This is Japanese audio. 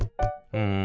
うん。